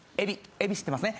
エビ知ってますね？